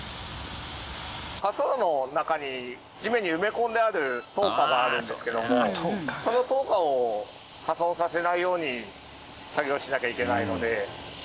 滑走路の中に地面に埋め込んである灯火があるんですけどもその灯火を破損させないように作業しなきゃいけないので。